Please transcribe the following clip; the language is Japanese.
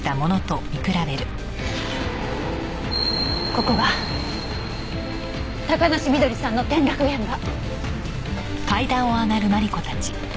ここが高梨翠さんの転落現場。